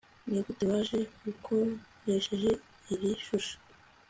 nigute waje ukoresheje iri shusho